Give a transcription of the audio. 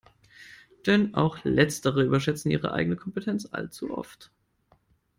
Denn auch letztere überschätzen ihre eigene Kompetenz allzu oft.